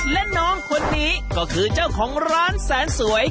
และน้องคนนี้ก็คือเจ้าของร้านแสนสวย